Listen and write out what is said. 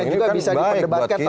mas ferry juga bisa diperdebatkan